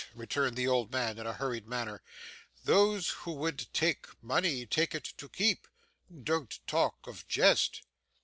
returned the old man in a hurried manner. 'Those who take money, take it to keep. Don't talk of jest.